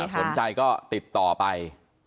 สนใจก็ติดต่อไป